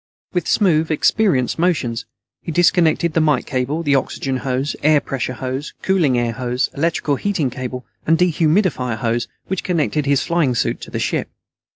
With smooth, experienced motions, he disconnected the mike cable, oxygen hose, air pressure hose, cooling air hose, electrical heating cable, and dehumidifier hose which connected his flying suit to the ship.